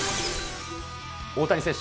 大谷選手